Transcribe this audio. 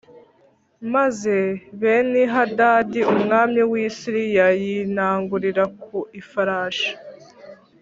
Maze Benihadadi umwami w’i Siriya yinagurira ku ifarashi